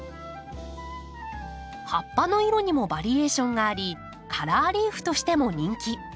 葉っぱの色にもバリエーションがありカラーリーフとしても人気。